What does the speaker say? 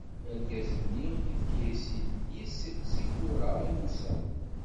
Argaz-nni ifka-as yelli-s Sifura i Musa.